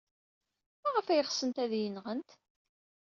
Maɣef ay ɣsent ad iyi-nɣent?